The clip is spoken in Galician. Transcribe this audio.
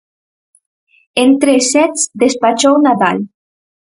En tres sets despachou Nadal.